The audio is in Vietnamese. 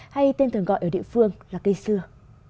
hay tên thường gọi ở địa phương là cây xưa